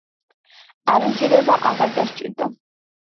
არანჟირება აღარ დასჭირდა.